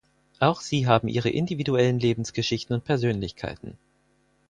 Auch sie haben ihre individuellen Lebensgeschichten und Persönlichkeiten.